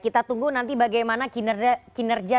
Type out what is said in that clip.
kita tunggu nanti bagaimana kinerja